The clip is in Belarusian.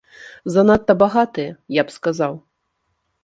Занадта багатыя, я б сказаў.